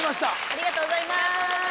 ・ありがとうございます